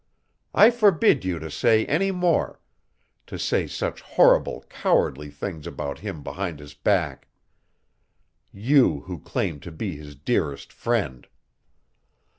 I forbid you to say any more to say such horrible, cowardly things about him behind his back. You, who claimed to be his dearest friend."